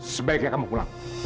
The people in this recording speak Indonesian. sebaiknya kamu pulang